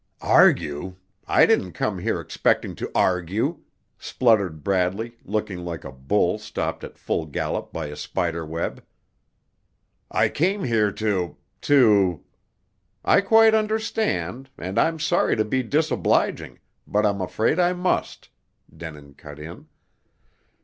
"Argue! I didn't come here expecting to argue!" spluttered Bradley, looking like a bull stopped at full gallop by a spider web. "I came here to to " "I quite understand, and I'm sorry to be disobliging, but I'm afraid I must," Denin cut in.